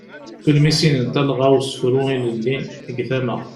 Tulmisin n talɣa n usefru ilelli deg tama.